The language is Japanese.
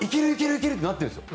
いける！ってなってるんです。